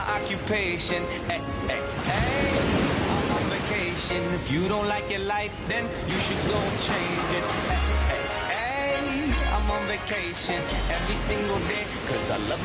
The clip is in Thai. โอ้โหสุดยอดเลยนะจะบอกว่าทฤษภะเลครั้งเนี้ยของนะคะ